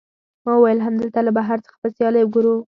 ما وویل، همدلته له بهر څخه به سیالۍ وګورو.